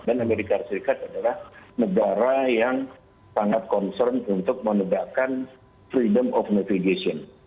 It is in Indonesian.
dan amerika serikat adalah negara yang sangat concern untuk menegakkan freedom of navigation